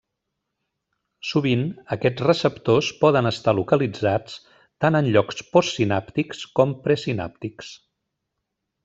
Sovint, aquests receptors poden estar localitzats tant en llocs postsinàptics com presinàptics.